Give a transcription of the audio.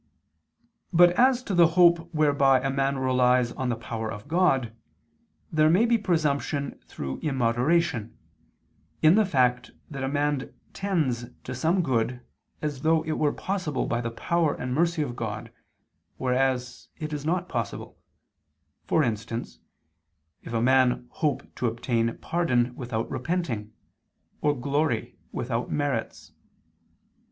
But as to the hope whereby a man relies on the power of God, there may be presumption through immoderation, in the fact that a man tends to some good as though it were possible by the power and mercy of God, whereas it is not possible, for instance, if a man hope to obtain pardon without repenting, or glory without merits.